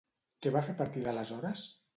Què va fer a partir d'aleshores?